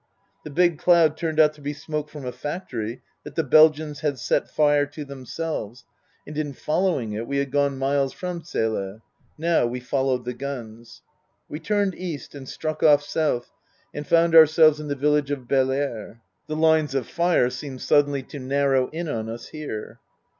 The big cloud turned out to be smoke from a factory that the Belgians has set fire to themselves, and in follow ing it we had gone miles from Zele. Now we followed the guns. We turned east and struck off south and found our selves in the village of Baerlere. The lines of fire seemed suddenly to narrow in on us here.